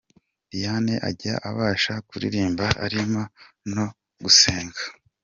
Diane ajya abasha kuririmba arimo no gusenga.